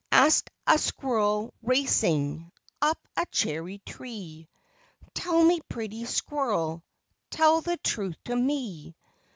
" Asked a squirrel, racing Up a cherry tree :" Tell me, pretty squirrel, Tell the truth to me."